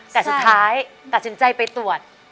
แต่สุดท้ายตัดสินใจไปตรวจ